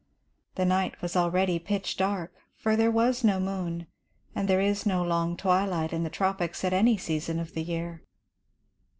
The night was already pitch dark, for there was no moon, and there is no long twilight in the tropics at any season of the year.